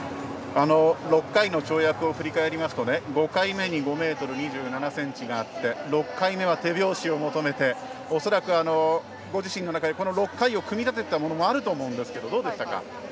６回の跳躍を振り返りますと５回目に５ｍ２７ｃｍがあって６回目は手拍子を求めて恐らく、ご自身の中で組み立てていたものがあると思うんですがどうでしたか。